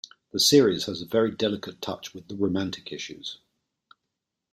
The series has a very delicate touch with the romantic issues.